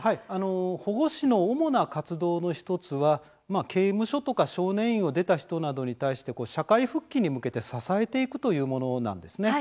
保護司の活動の１つは刑務所とか少年院を出た人などの社会復帰に向けて支えていくということなんです。